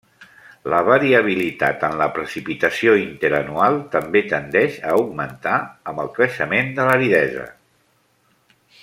La variabilitat en la precipitació interanual també tendeix a augmentar amb el creixement de l'aridesa.